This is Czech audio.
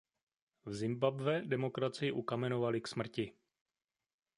V Zimbabwe demokracii ukamenovali k smrti.